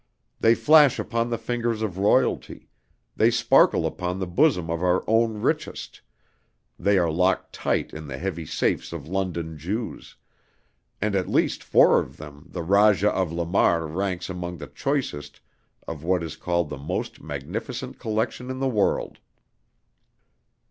They flash upon the fingers of royalty, they sparkle upon the bosom of our own richest, they are locked tight in the heavy safes of London Jews, and at least four of them the Rajah of Lamar ranks among the choicest of what is called the most magnificent collection in the world.